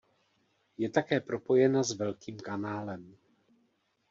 Je také propojena s Velkým kanálem.